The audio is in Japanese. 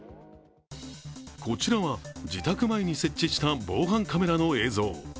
こちらは、自宅前に設置した防犯カメラの映像。